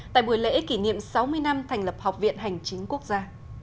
tại buổi lễ kỷ niệm sáu mươi năm thành lập học viện hành chính quốc gia